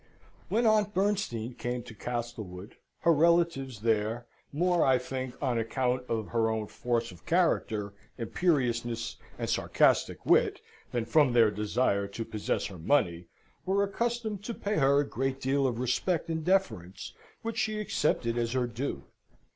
When Aunt Bernstein came to Castlewood, her relatives there, more, I think, on account of her own force of character, imperiousness, and sarcastic wit, than from their desire to possess her money, were accustomed to pay her a great deal of respect and deference, which she accepted as her due.